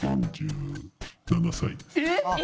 ４７歳です。